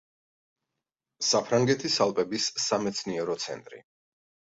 საფრანგეთის ალპების სამეცნიერო ცენტრი.